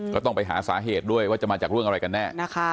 ก็ต้องไปหาสาเหตุด้วยว่าจะมาจากเรื่องอะไรกันแน่